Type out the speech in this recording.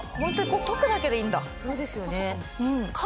とくだけでいいんだ。